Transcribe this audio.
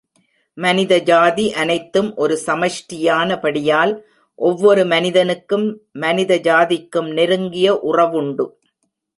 மனித ஜாதி அனைத்தும் ஒரு சமஷ்டியானபடியால் ஒவ்வொரு மனிதனுக்கும் மனித ஜாதிக்கும் நெருங்கிய உறவுண்டு.